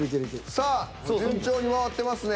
さあ順調に回ってますね。